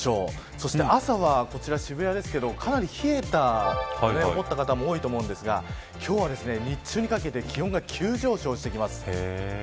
そして朝はこちら、渋谷ですけどかなり冷えたと思った方が多いと思うんですが今日は日中にかけて気温が急上昇してきます。